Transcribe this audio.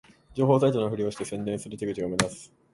情報サイトのふりをして宣伝する手口が目立つ